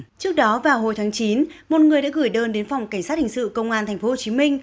trước đó vào hồi tháng chín một người đã gửi đơn đến phòng cảnh sát hình sự công an tp hcm